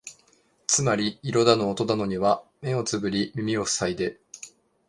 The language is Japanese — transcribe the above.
つまり色だの音だのには目をつぶり耳をふさいで、